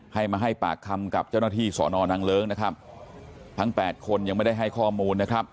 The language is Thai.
ให้มาให้ปากคำกับเจ้าหน้าที่สอนอนางเลิ้งนะครับทั้งแปดคนยังไม่ได้ให้ข้อมูลนะครับ